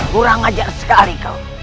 kurang ajar sekali kau